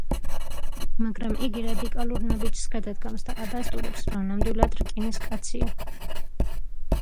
მაგრამ იგი რადიკალურ ნაბიჯს გადადგამს და ადასტურებს, რომ ნამდვილად რკინის კაცია.